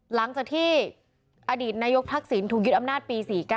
หลังจากที่อดีตนายกทักษิณถูกยึดอำนาจปี๔๙